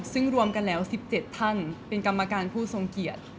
ซึ่งรวมกันแล้ว๑๗ท่านเป็นกรรมการผู้ทรงเกียรติ